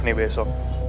ini buat lo